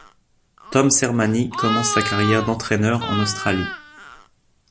Tom Sermanni commence sa carrière d'entraîneur en Australie.